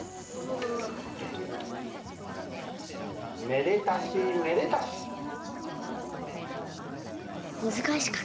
「めでたしめでたし」。